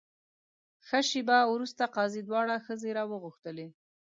ښه شېبه وروسته قاضي دواړه ښځې راوغوښتلې.